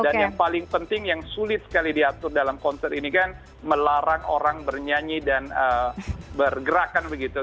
dan yang paling penting yang sulit sekali diatur dalam konser ini kan melarang orang bernyanyi dan bergerakan begitu